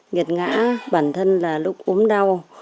nghiệt ngã bản thân là lúc ốm đau